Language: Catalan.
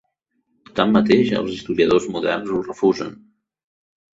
Tanmateix, els historiadors moderns ho refusen.